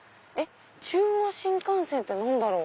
中央新幹線って何だろう？